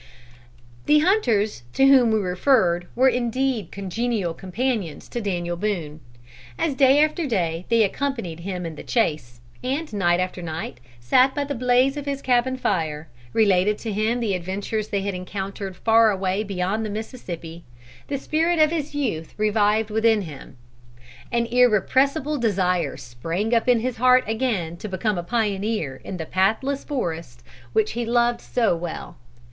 The hunters to whom we referred were indeed congenial companions to Daniel Boone. As day after day they accompanied him in the chase, and night after night sat by the blaze of his cabine fire, related to him the adventures they had encountered far away beyond the Mississippi, the spirit of his youth revived within him. An irrepressible desire sprang up in his heart again to become a pioneer in the pathless forest which he loved so well.